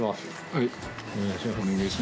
はい。